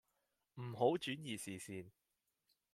唔好轉移視線